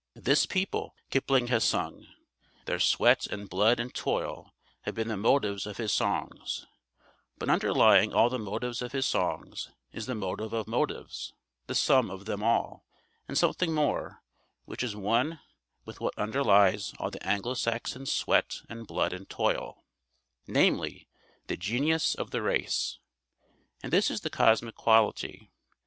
This people Kipling has sung. Their sweat and blood and toil have been the motives of his songs; but underlying all the motives of his songs is the motive of motives, the sum of them all and something more, which is one with what underlies all the Anglo Saxon sweat and blood and toil; namely, the genius of the race. And this is the cosmic quality.